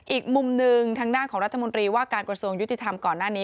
อีกมุมหนึ่งทางด้านของรัฐมนตรีว่าการกระทรวงยุติธรรมก่อนหน้านี้